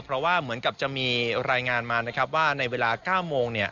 เพราะว่าเหมือนกับจะมีรายงานมานะครับว่าในเวลา๙โมง